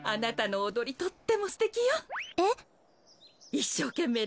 いっしょうけんめい